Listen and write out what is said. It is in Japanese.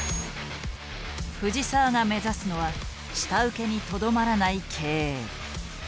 藤澤が目指すのは下請けにとどまらない経営。